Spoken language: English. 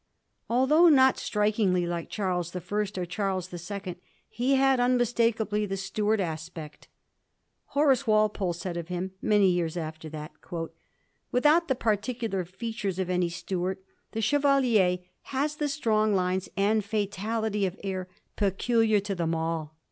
Although not strikingly like Charles the First or Charles the Second, he had unmistakably the Stuart aspect. Horace Walpole said of him many years after that, ^without the particular features of any Stuart, the Chevalier has the strong lines and fatality of air peculiar to them all.'